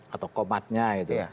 atau komatnya gitu